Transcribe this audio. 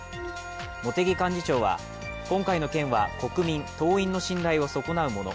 茂木幹事長は、今回の件は国民、党員の信頼を損なうもの。